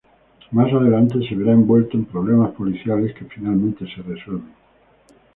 Más adelante se vera envuelto en problemas policiales que finalmente se resuelven.